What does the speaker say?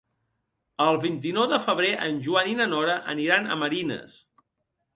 El vint-i-nou de febrer en Joan i na Nora aniran a Marines.